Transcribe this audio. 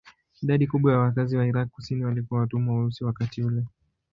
Idadi kubwa ya wakazi wa Irak kusini walikuwa watumwa weusi wakati ule.